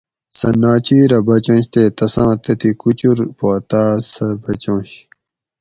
سہ ناچیرہ بچنش تے تساۤں تتھی کُچر پا تاۤس سہ بچنش